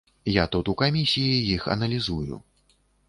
Я тут у камісіі іх аналізую.